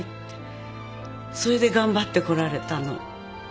それで頑張ってこられたの。